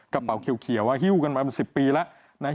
กระเป๋าเขียวฮิ้วกันมาเป็น๑๐ปีแล้ว